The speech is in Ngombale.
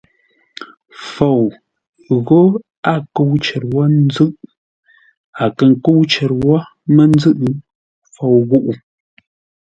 Fou ghó a kə́u cər wó ńzʉ́ʼ, a kə̂ kə́u cər wó mə́ ńzʉ́ʼ, fou ghúʼu.